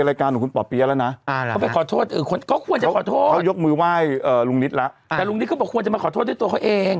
เขาพูดว่ามีควรจะขอโทษจริงอยากชอบมือว่ายลุงนิดไม่ไกลแล้วนี่ครับคอมแล้วขอโทษต่อท่านเอง